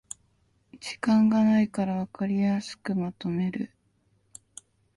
時間がないからわかりやすくまとめる